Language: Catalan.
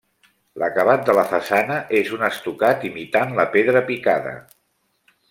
L'acabat de la façana és un estucat imitant la pedra picada.